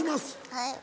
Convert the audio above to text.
はい。